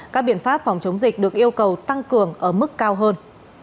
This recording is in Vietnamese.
các biện pháp phòng chống dịch được yêu cầu tăng cường ở mức cao hơn